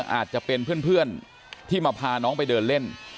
อาจจะเป็นเพื่อนที่มาพาน้องไปเดินเล่น